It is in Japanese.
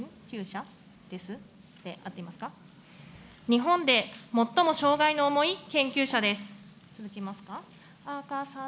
日本で最も障害の重い研究者です。